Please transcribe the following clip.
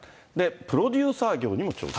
プロデューサー業にも挑戦。